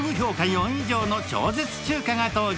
４以上の超絶中華が登場